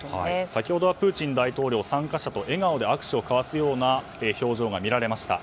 先ほどはプーチン大統領参加者と笑顔で握手を交わす表情が見られました。